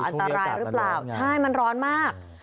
อันตรายหรือเปล่าใช่มันร้อนมาก